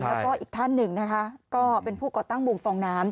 แล้วก็อีกท่านหนึ่งนะคะก็เป็นผู้ก่อตั้งวงฟองน้ำ